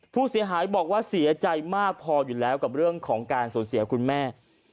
ผู้เสียหายบอกว่าเสียใจมากพออยู่แล้วกับเรื่องของการสูญเสียคุณแม่